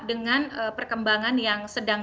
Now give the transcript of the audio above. dengan perkembangan yang sedang